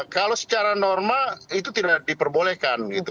kalau secara normal itu tidak diperbolehkan gitu